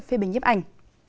phê bình nhiếp ảnh